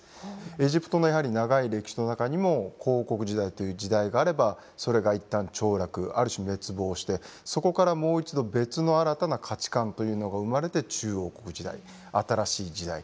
エジプトの長い歴史の中にも古王国時代という時代があればそれが一旦凋落ある種滅亡してそこからもう一度別の新たな価値観というのが生まれて中王国時代新しい時代。